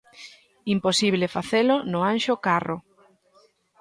Imposible facelo no Anxo Carro.